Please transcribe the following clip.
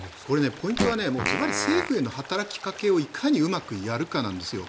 ポイントはずばり政府への働きかけをいかにうまくやるかなんです。